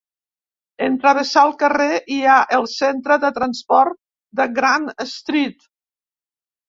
En travessar el carrer hi ha el Centre de Transport de Grant Street.